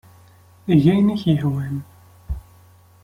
Eg ayen ay ak-yehwan.